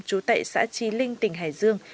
chú tệ xã trí linh tỉnh hải dương